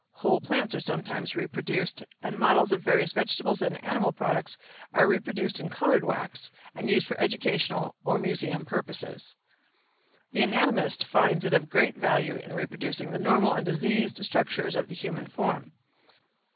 Whole plants are sometimes reproduced and models of various vegetable and animal products are reproduced in colored wax and used for educational or museum purposes. The anatomist finds it of great value in reproducing the normal and diseased structures of the human form.